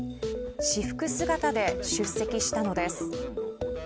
私服姿で出席したのです。